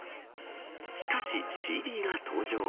しかし、ＣＤが登場。